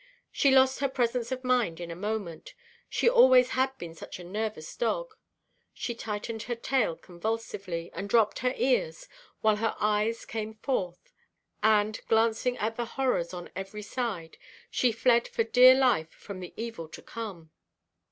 She lost her presence of mind in a moment,—she always had been such a nervous dog—she tightened her tail convulsively, and dropped her ears, while her eyes came forth; and, glancing at the horrors on every side, she fled for dear life from the evil to come.